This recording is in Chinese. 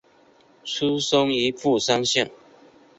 出身于富山县。